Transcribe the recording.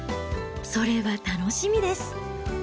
それは楽しみです。